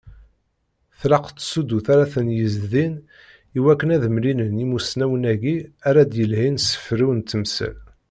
Tlaq tsudut ara ten-yezdin i wakken ad mlilen yimussnawen-agi ara d-yelhin s ferru n temsal.